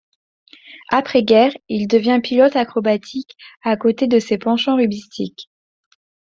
Après-guerre, il devient pilote acrobatique à côté de ses penchants rugbystiques.